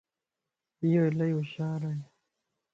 ايو الائي ھوشيار ائي